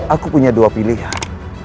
aku punya dua pilihan